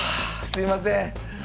すいません！